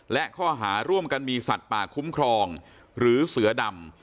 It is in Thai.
และข้อหาร่วมกันมีสัตว์ป่าคุ้มครองหรือเสือดำ